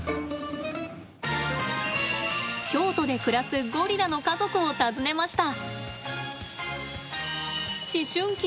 京都で暮らすゴリラの家族を訪ねました。